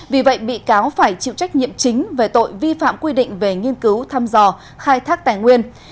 vì vậy bị cáo phải chịu trách nhiệm chính về tội vi phạm quy định về nghiên cứu thăm dò khai thác tài nguyên